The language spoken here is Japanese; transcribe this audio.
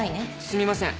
すみません。